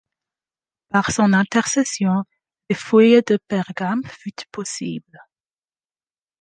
Par son intercession, les fouilles de Pergame futent possibles.